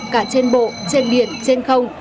cả trên bộ trên biển trên không